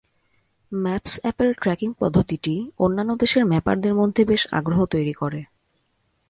Maps অ্যাপের tracking পদ্ধতিটি অন্যান্য দেশের ম্যাপারদের মধ্যে বেশ আগ্রহ তৈরি করে।